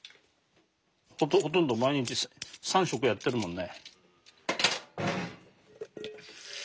ほとんど毎日３食やってるもんね。